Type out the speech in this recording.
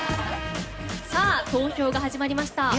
投票が始まりました。